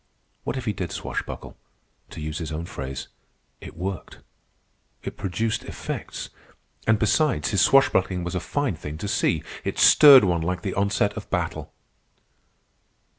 What if he did swashbuckle? To use his own phrase, "it worked," it produced effects. And, besides, his swashbuckling was a fine thing to see. It stirred one like the onset of battle.